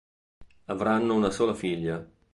Avranno una sola figlia.